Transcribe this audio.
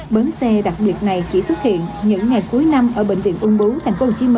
bến xe đặc biệt này chỉ xuất hiện những ngày cuối năm ở bệnh viện ung bú tp hcm